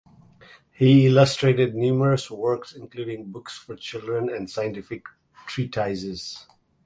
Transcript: He illustrated numerous works including books for children and scientific treatises.